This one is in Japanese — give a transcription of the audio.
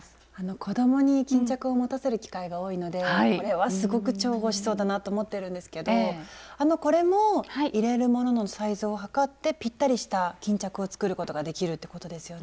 子どもに巾着を持たせる機会が多いのでこれはすごく重宝しそうだなと思ってるんですけどこれも入れるもののサイズを測ってぴったりした巾着を作ることができるってことですよね。